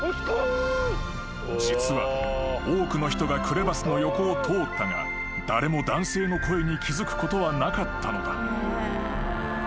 ［実は多くの人がクレバスの横を通ったが誰も男性の声に気付くことはなかったのだ］